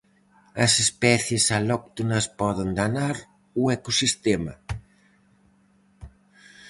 As especies alóctonas poden danar o ecosistema.